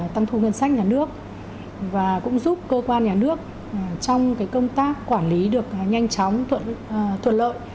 tăng thu ngân sách nhà nước và cũng giúp cơ quan nhà nước trong công tác quản lý được nhanh chóng thuận lợi